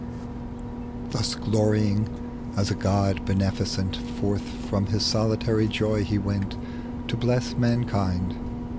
Thus glorying as a god beneficent, Forth from his solitary joy he went To bless mankind.